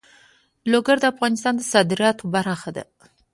لوگر د افغانستان د صادراتو برخه ده.